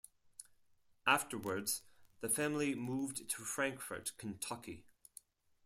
Afterwards, the family moved to Frankfort, Kentucky.